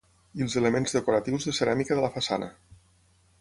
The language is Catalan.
I els elements decoratius de ceràmica de la façana.